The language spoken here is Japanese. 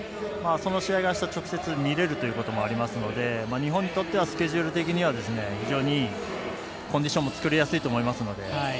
その試合があした直接見れるということもありますので日本にとってはスケジュール的には非常にいい、コンディションも作りやすいと思います。